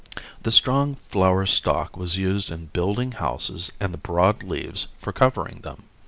The strong flower stalk was used in building houses and the broad leaves for covering them.